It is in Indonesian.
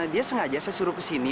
dia sengaja saya suruh kesini